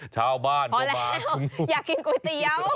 ชาวบ้านพอแล้วอยากกินก๋วยเตี๋ยว